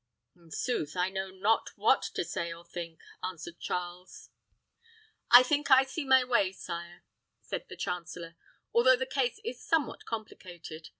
"In sooth, I know not what to say or think," answered Charles. "I think I see my way, sire," said the chancellor; "although the case is somewhat complicated.